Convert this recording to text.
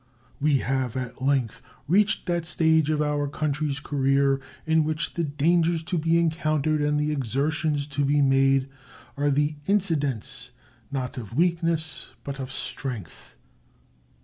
We have at length reached that stage of our country's career in which the dangers to be encountered and the exertions to be made are the incidents, not of weakness, but of strength.